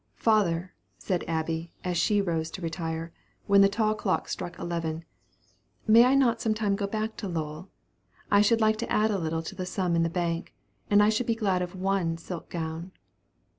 "Father," said Abby, as she arose to retire, when the tall clock struck eleven, "may I not sometime go back to Lowell? I should like to add a little to the sum in the bank, and I should be glad of one silk gown!"